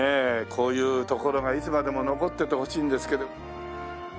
こういう所がいつまでも残っててほしいんですけど。